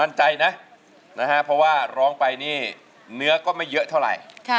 มั่นใจนะเพราะว่าล้องไปเนื้อก็ไม่เยอะเท่าไร